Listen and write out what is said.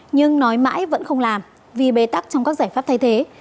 nhưng nói mãi vẫn không làm vì bế tắc trong các giải pháp thay thế